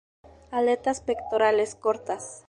Aletas pectorales cortas.